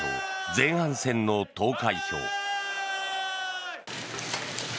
前半戦の投開票。